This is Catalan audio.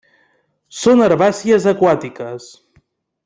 Són herbàcies aquàtiques.